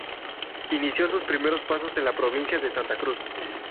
Inició sus primeros pasos en la provincia de Santa Cruz.